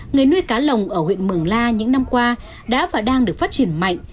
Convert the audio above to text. người nuôi cá lồng ở huyện mường la những năm qua đã và đang được phát triển mạnh